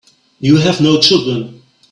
You have no children.